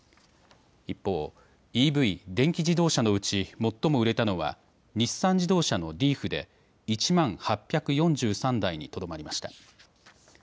一方、ＥＶ・電気自動車のうち最も売れたのは日産自動車のリーフで１万８４３台にとどまりました。